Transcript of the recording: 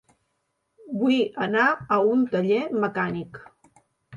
Vull anar a un taller mecànic.